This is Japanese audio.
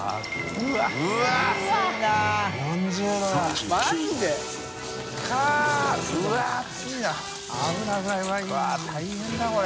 うわ大変だこれ。